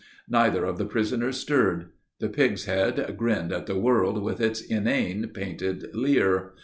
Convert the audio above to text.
Neither of the prisoners stirred. The pig's head grinned at the world with its inane, painted leer.